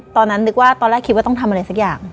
ตอนแรกคิดว่าต้องทำอะไรสักอย่าง